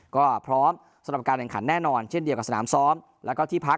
ก็พร้อมสำหรับการแข่งขันแน่นอนเช่นเดียวกับสนามซ้อมแล้วก็ที่พัก